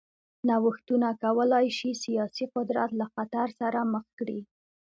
نوښتونه کولای شي سیاسي قدرت له خطر سره مخ کړي.